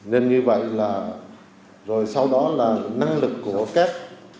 nên như vậy là rồi sau đó là năng lực của sân bay